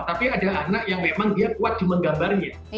tapi ada anak yang memang dia kuat cuma menggambarnya